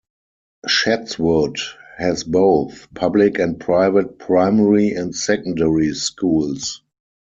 Chatswood has both public and private primary and secondary schools.